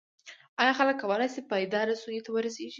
ایا خلک کولای شي پایداره سولې ته ورسیږي؟